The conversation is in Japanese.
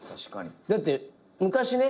だって昔ね